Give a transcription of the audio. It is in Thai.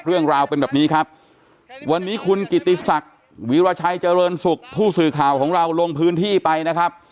เรื่องราวเป็นแบบนี้ครับวันนี้คุณกิติศักดิ์วีรชัยเจริญสุขผู้สื่อข่าวของเราลงพื้นที่ไปนะครับ